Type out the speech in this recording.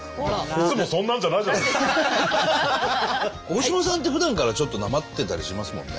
大島さんってふだんからちょっとなまってたりしますもんね。